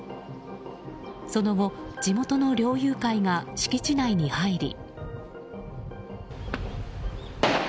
その後、地元の猟友会が敷地内に入り。